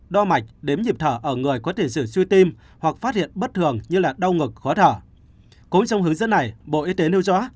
đo mạch đếm nhịp thở ở người có tiền sử suy tim hoặc phát hiện bất thường như đau ngực khó thở